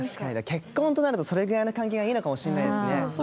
結婚となるとそれぐらいの関係がいいのかもしれないですね。